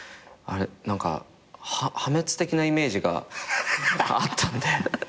何か破滅的なイメージがあったんで。